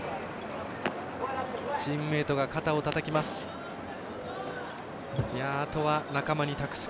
チームメートが肩をたたきます。